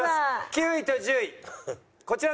９位と１０位こちらの方々。